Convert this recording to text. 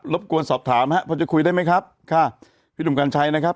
บกวนสอบถามฮะพอจะคุยได้ไหมครับค่ะพี่หนุ่มกัญชัยนะครับ